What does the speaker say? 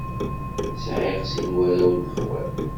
Sɛiɣ sin n warraw n lexwal.